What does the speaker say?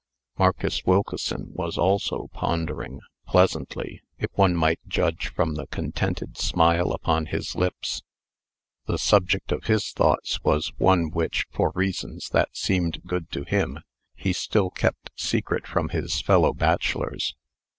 Marcus Wilkeson was also pondering pleasantly, if one might judge from the contented smile upon his lips. The subject of his thoughts was one which, for reasons that seemed good to him, he still kept secret from his fellow bachelors.